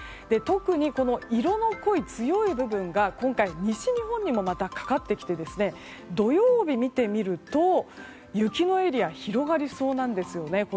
特に色の濃い、強い部分がまた今回、西日本にもまたかかってきて土曜日、見てみると雪のエリア広がりそうなんですよね。